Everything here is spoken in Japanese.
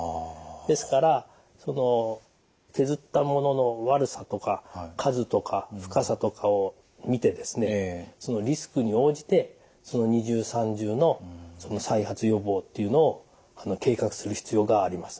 ですから削ったものの悪さとか数とか深さとかを診てですねそのリスクに応じて二重三重の再発予防っていうのを計画する必要があります。